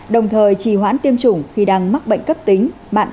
đồng thời trì hoãn tiêm chủng khi đang mắc bệnh cấp tính mạn bệnh